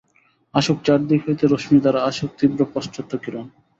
আসুক চারিদিক হইতে রশ্মিধারা, আসুক তীব্র পাশ্চাত্য কিরণ।